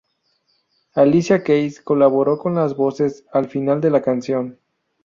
Alicia Keys colaboró con las voces al final de la canción.